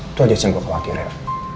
itu aja yang gue khawatir ya